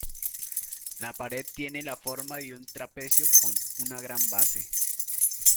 La pared tiene la forma de un trapecio con una gran base.